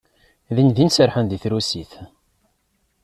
Dindin serrḥen deg trusit.